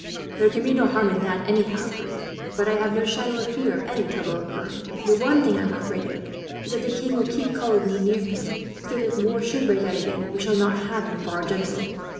"There can be no harm in that anyhow, Pierre, but I have no shadow of fear of any trouble occurring. The one thing I am afraid of is that the king will keep Coligny near him, so that if war should break out again, we shall not have him for our general.